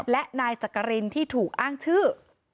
และนายจักรินที่ถูกอ้างชื่อ